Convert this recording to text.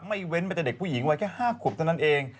เว้นมาแต่เด็กผู้หญิงวัยแค่๕ขวบเท่านั้นเอง